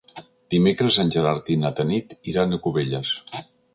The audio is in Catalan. Dimecres en Gerard i na Tanit iran a Cubelles.